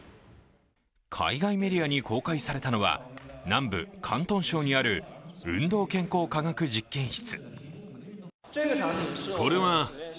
海外メディアに公開されたのは南部・広東省にある運動健康科学実験室。